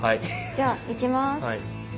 じゃあいきます！